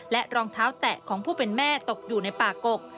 รองเท้าแตะของผู้เป็นแม่ตกอยู่ในป่ากก